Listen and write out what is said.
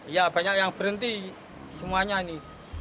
ya banyak yang berhenti semuanya ini